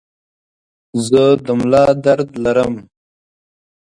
زه د ملا درد لرم.